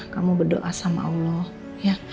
kamu berdoa sama allah ya